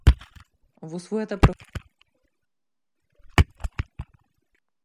Во својата професија се среќаваше со различни луѓе, со различни преференции и апетити.